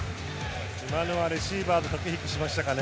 今のはレシーバーと駆け引きしましたかね。